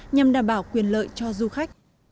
nhằm đảm bảo quyền lợi cho du khách